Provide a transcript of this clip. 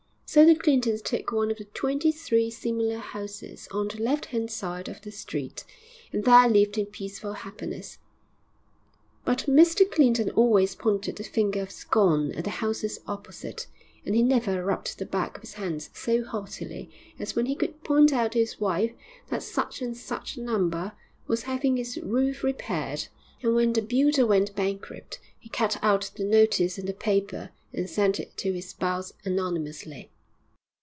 So the Clintons took one of the twenty three similar houses on the left hand side of the street, and there lived in peaceful happiness. But Mr Clinton always pointed the finger of scorn at the houses opposite, and he never rubbed the back of his hands so heartily as when he could point out to his wife that such and such a number was having its roof repaired; and when the builder went bankrupt, he cut out the notice in the paper and sent it to his spouse anonymously....